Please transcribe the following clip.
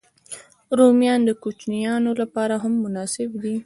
رومیان د کوچنيانو لپاره هم مناسب دي